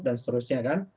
dan seterusnya kan